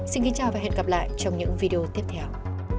xin kính chào và hẹn gặp lại trong những video tiếp theo